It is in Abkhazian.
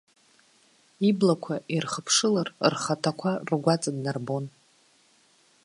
Иблақәа ирхыԥшылар, рхаҭақәа ргәаҵа днарбон.